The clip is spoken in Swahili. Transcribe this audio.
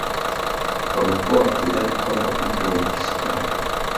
Wamekuwa wakidhani kwamba mtu mwenye kisukari